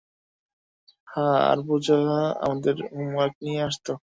হ্যাঁঁ, আর পূজা আমাদের, হোমওয়ার্ক নিয়ে আসতো।